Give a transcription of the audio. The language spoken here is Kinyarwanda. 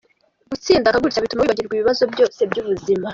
Gutsinda nka gutya bituma wibagirwa ibibazo byose by’ubuzima.